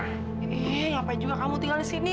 ini ngapain juga kamu tinggal di sini